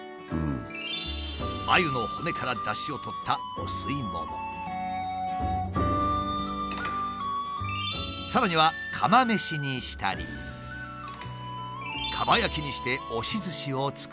アユの骨からだしを取ったさらには釜飯にしたりかば焼きにして押し寿司を作ったり。